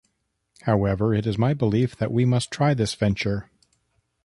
However, it is my belief that we must try this venture.